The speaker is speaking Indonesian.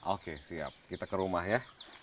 oke siap kita ke rumah ya